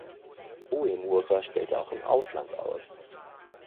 Uemura stellte auch im Ausland aus.